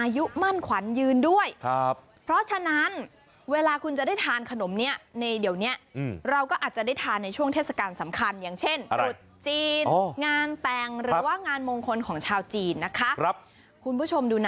ดูเวลาเคี้ยวไปมันเหนียว